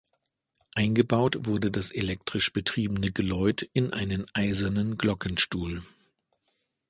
Eingebaut wurde das elektrisch betriebene Geläut in einen eisernen Glockenstuhl.